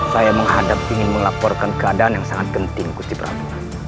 saya menghadap ingin melaporkan keadaan yang sangat penting kuci pramuka